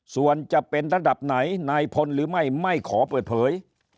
ส่วนจะเป็นระดับไหนนายพลหรือไม่ไม่ขอเปิดเผย